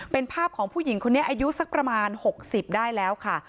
เป็นภาพของผู้หญิงคนนี้อายุสักประมาณ๖๐ได้แล้วค่ะ